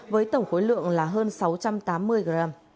với tổng khối lượng là hơn sáu trăm tám mươi gram